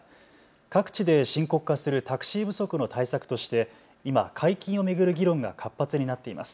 各地で深刻化するタクシー不足の対策として今、解禁を巡る議論が活発になっています。